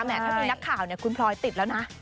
แม้ถ้ามีนักข่าวคุณพลอยติดแล้วนะ